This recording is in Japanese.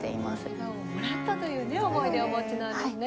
笑顔をもらったという思い出をお持ちなんですね。